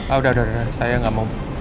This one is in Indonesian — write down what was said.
oh udah udah udah saya gak mau